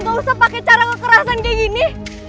gak usah pakai cara kekerasan kayak gini